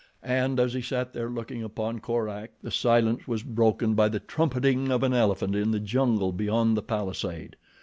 And as he sat there looking upon Korak the silence was broken by the trumpeting of an elephant in the jungle beyond the palisade.